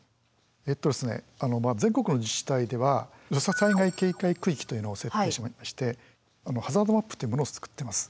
えっとですね全国の自治体では土砂災害警戒区域というのを設定していましてハザードマップというものを作ってます。